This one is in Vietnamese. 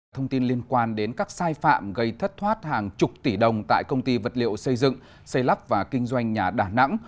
thông tin liên quan đến các sai phạm gây thất thoát hàng chục tỷ đồng tại công ty vật liệu xây dựng xây lắp và kinh doanh nhà đà nẵng